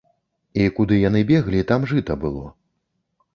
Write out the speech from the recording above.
І куды яны беглі, там жыта было.